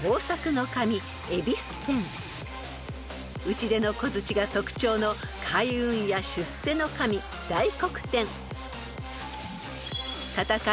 ［打ち出の小づちが特徴の開運や出世の神大黒天］